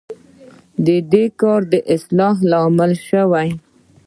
دې کار د اصلاح لامل شو.